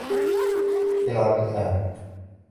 العب الآن.